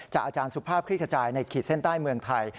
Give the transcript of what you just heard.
อาจารย์สุภาพคลิกขจายในขีดเส้นใต้เมืองไทย